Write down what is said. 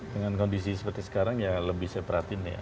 dengan kondisi seperti sekarang ya lebih saya perhatiin ya